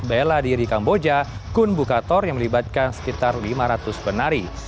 bela diri kamboja kun bukator yang melibatkan sekitar lima ratus penari